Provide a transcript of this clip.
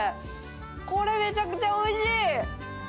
これ、めちゃくちゃおいしい。